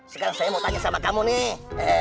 sekarang saya mau tanya sama kamu nih